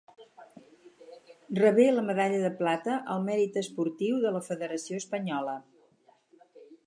Rebé la medalla de plata al mèrit esportiu de la federació espanyola.